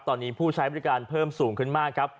ตอนนี้ผู้ใช้บริการเพิ่มสูงขึ้นมากครับ